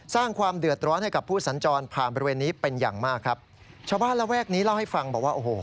สร้างความเดือดร้อนให้กับผู้สัญจรผ่านบริเวณนี้เป็นอย่างมากครับชาวบ้านระแวกนี้เล่าให้ฟังบอกว่าโอ้โห